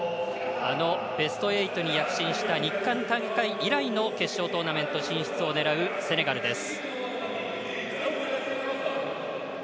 あのベスト８に躍進した日韓大会以来の決勝トーナメント進出を狙うセネガルです。